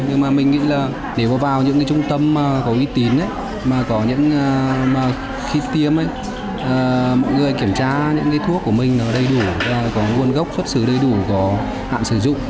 nhưng mà mình nghĩ là nếu vào những trung tâm có uy tín khi tiêm mọi người kiểm tra những thuốc của mình đầy đủ có nguồn gốc xuất xứ đầy đủ có hạn sử dụng